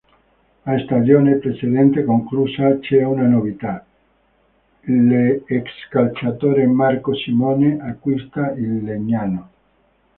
A stagione precedente conclusa, c'è una novità: l'ex calciatore Marco Simone acquista il Legnano.